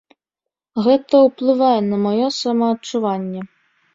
Гэта ўплывае на маё самаадчуванне.